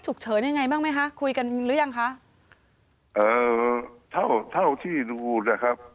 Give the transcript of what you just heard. เฉินยังไงบ้างไหมคะคุยกันหรือยังคะเอ่อเท่าเท่าที่ดูนะครับ